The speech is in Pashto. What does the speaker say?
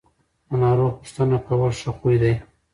د ناروغ پوښتنه کول ښه خوی دی.